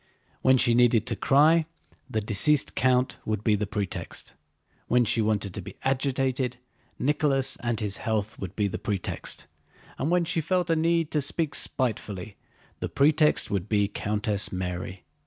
When she needed to cry, the deceased count would be the pretext. When she wanted to be agitated, Nicholas and his health would be the pretext, and when she felt a need to speak spitefully, the pretext would be Countess Mary.